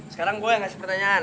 sekarang gue ngasih pertanyaan